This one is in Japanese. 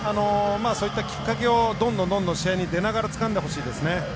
そういったきっかけをどんどん試合に出ながらつかんでほしいですね。